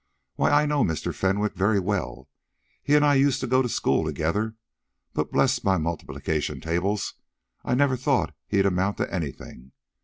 Why I know Mr. Fenwick very well he and I used to go to school together, but bless my multiplication tables I never thought he'd amount to anything!